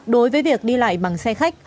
đối với việc đi lại bằng xe khách